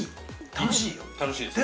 ◆楽しいですか。